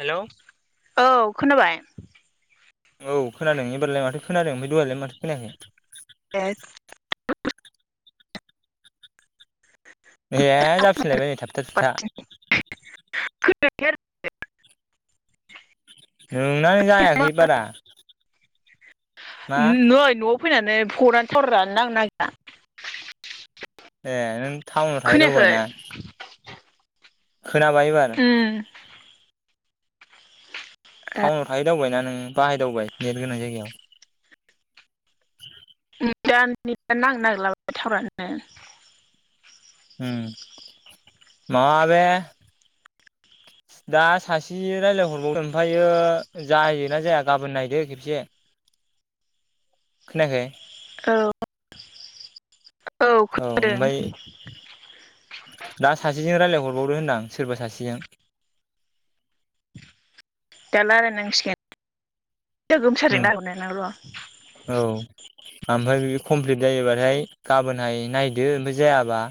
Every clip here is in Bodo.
हेलौ औ खोनाबाय। औ खोनादों एबारलाय माथो खोनादों ओमफ्राय दहायलाय माथो खोनायाखै। [unintelligible] ए जाफिनलायबाय थाबथा थुबथा [unintelligible] ओह संनाय आरो जायाखै बारा मा? नै न'आव फैनानै फ'नानो थावारानो नांनो नागिरा ए नों टाउनाव थाहै खोनायाखै दावबायना खोनाबाय एबार उम थाउनाव थायो दावबायना नों बाहायदावबाय नेट गोनां जायगायाव उम दा नेट आनो नांनोगिरला टावारानो उम माबे दा सासे रायज्लायहरबावो ओमफ्रायो जायोना जाया गाबोन नायदो खेबसे खोनायाखै? औ औ ओमफाय दा सासेजों रायलाय हरबावदो होनदां सोरबा सासेजों दा लायरायनांसिगोन। औ ओमफ्राय बे कमप्लिट जायोबा ओमफ्राय गाबोनहाय नायदो ओमफ्राय जायाबा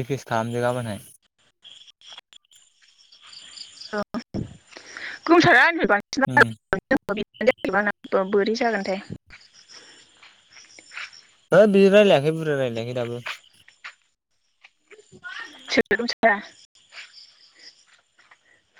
रिकुइस्ट खालामदो गाबोनहाय औ गंथारा आङो ओम [unintelligible] [unintelligible] बोरै जागोनथाय हो बिदि रायलायाखै बुरजा रायलायाखै दाबो [unintelligible]